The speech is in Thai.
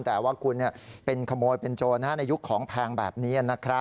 แต่ว่าคุณเนี่ยเป็นขโมยเป็นโจรในยุคของแพงแบบนี้นะครับ